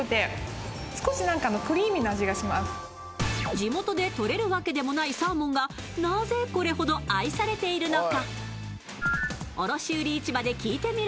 地元でとれるわけでもないサーモンがなぜこれほど愛されているのか。